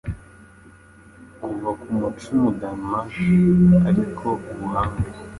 Kuva kumacumu-Danemark Ariko ubuhanga